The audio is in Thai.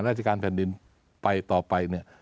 ราชการแผ่นดินไปต่อไปเนี่ย